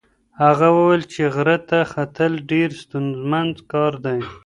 هغه وویل چې غره ته ختل ډېر ستونزمن کار دی.